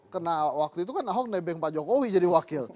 karena waktu itu kan ahok nebeng pak jokowi jadi wakil